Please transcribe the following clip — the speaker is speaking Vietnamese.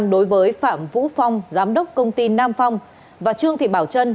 đối với phạm vũ phong giám đốc công ty nam phong và trương thị bảo trân